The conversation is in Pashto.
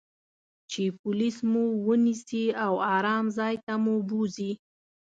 چې پولیس مو و نییسي او آرام ځای ته مو بوزي.